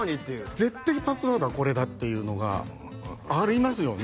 絶対パスワードはこれだっていうのがありますよね？